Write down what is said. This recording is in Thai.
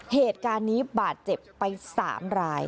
เหตุการณ์นี้บาดเจ็บไป๓ราย